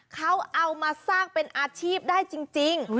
เขาเอามาสร้างเป็นอาชีพได้จริง